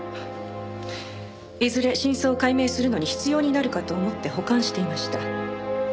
いずれ真相を解明するのに必要になるかと思って保管していました。